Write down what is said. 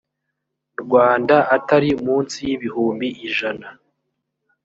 rwanda atari munsi y ibihumbi ijana